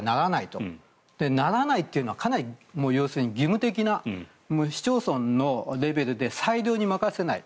「ならない」というのはかなり義務的な市町村のレベルで裁量に任せない